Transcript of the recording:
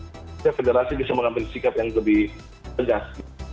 setiap federasi bisa mengambil sikap yang lebih tegas